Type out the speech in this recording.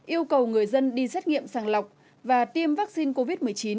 yêu cầu người dân đi xét nghiệm sàng lọc và tiêm vaccine covid một mươi chín